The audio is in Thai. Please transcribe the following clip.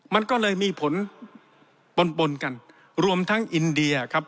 มันก็เลยมีผลปนปนกันรวมทั้งอินเดียครับ